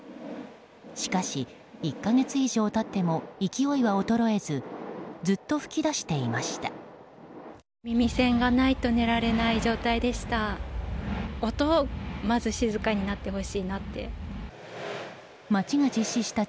しかし、１か月以上経っても勢いは衰えずずっと噴き出していました。